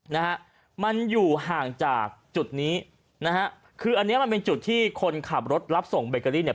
นะฮะมันอยู่ห่างจากจุดนี้นะฮะคืออันเนี้ยมันเป็นจุดที่คนขับรถรับส่งเบเกอรี่เนี่ย